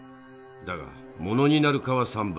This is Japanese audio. だがものになるかは三分。